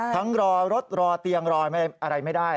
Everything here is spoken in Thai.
รอรถรอเตียงรออะไรไม่ได้